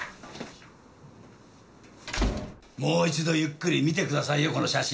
もう一度ゆっくり見てくださいよこの写真。